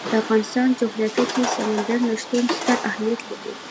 د افغانستان جغرافیه کې سمندر نه شتون ستر اهمیت لري.